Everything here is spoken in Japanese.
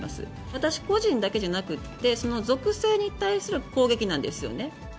私個人だけじゃなくって、その属性に対する攻撃なんですよね。